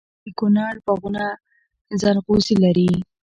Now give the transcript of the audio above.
د کونړ باغونه ځنغوزي لري.